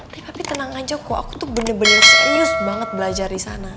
tapi tenang aja kok aku tuh bener bener serius banget belajar di sana